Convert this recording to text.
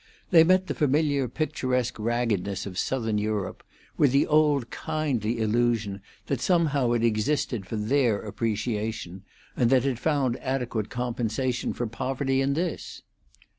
They met the familiar picturesque raggedness of Southern Europe with the old kindly illusion that somehow it existed for their appreciation, and that it found adequate compensation for poverty in this.